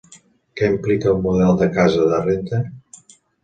Què implica el model de "casa de renda"?